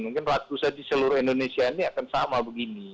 mungkin ratusan di seluruh indonesia ini akan sama begini